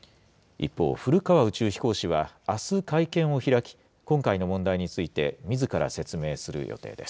一方、古川宇宙飛行士は、あす、会見を開き、今回の問題についてみずから説明する予定です。